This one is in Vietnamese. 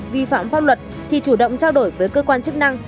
vi phạm pháp luật thì chủ động trao đổi với cơ quan chức năng